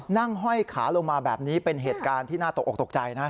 นั่งห้อยขาลงมาแบบนี้เป็นเหตุการณ์ที่น่าตกตกใจนะครับ